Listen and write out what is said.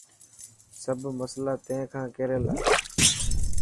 سب مصلا تين کان ڪير يلا.